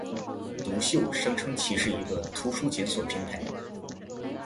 读秀声称其是一个图书检索平台。